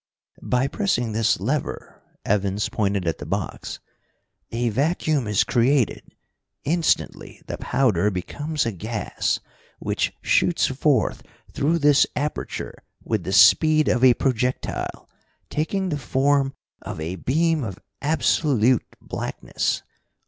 "By pressing this lever" Evans pointed at the box "a vacuum is created. Instantly the powder becomes a gas, which shoots forth through this aperture with the speed of a projectile, taking the form of a beam of absolute blackness.